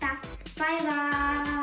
バイバイ。